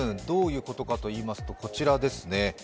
どういうことかといいますと、こちらですね。